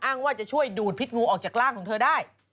ว่าจะช่วยดูดพิษงูออกจากร่างของเธอได้